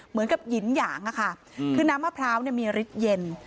เหมือนกับหินหยางอะค่ะคือน้ำมะพร้าวมีฤทธิ์เย็น